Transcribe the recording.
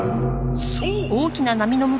そう！